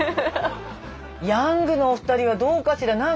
ヤングのお二人はどうかしら。